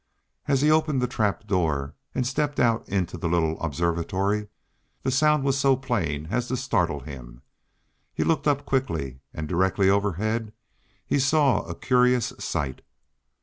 As he opened the trap door, and stepped out into the little observatory the sound was so plain as to startle him. He looked up quickly, and, directly overhead he saw a curious sight.